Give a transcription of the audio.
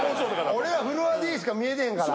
俺らフロアＤしか見えてへんから。